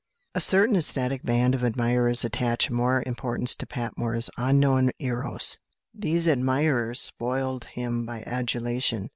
A certain ecstatic band of admirers attached more importance to Patmore's "Unknown Eros." These admirers spoilt him by adulation.